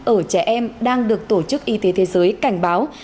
ở trẻ em đang được tổ chức y tế thế giới cảnh báo